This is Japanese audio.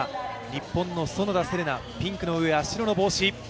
日本の園田世玲奈、ピンクのウェア白の帽子。